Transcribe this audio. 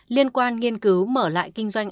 liên quan nghiên cứu mở lại kinh doanh